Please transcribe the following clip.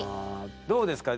どうですか？